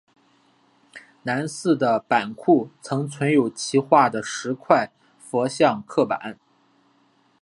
南寺的版库曾存有其画的十块佛像刻版。